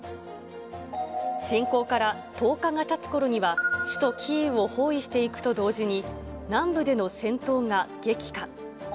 侵攻から１０日がたつころには首都キーウを包囲していくと同時に、南部での戦闘が激化。